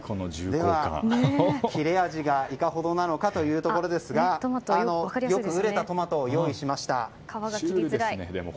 では、切れ味がいかほどなのかというところですがよく熟れたトマトを用意しました。